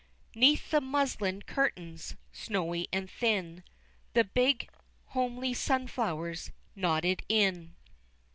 'Neath the muslin curtains, snowy and thin, The big homely sunflowers nodded in.